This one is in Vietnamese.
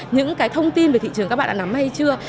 những cái thông tin về thị trường các bạn đã nắm hay chưa